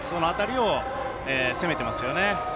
その辺りを攻めてますよね。